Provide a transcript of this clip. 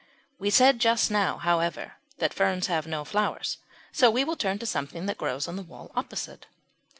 We said just now, however, that ferns have no flowers, so we will turn to something that grows on the wall opposite.